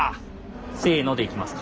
「せの」でいきますか。